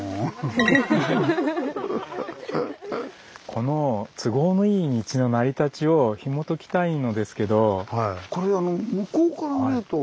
この都合のいい道の成り立ちをひもときたいのですけど。